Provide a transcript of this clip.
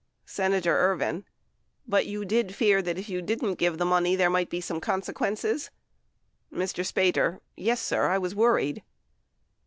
Senator Ervin. But you did fear that if you didn't give the money, there might be some consequences ? Mr. Spater. Yes, sir, I was worried.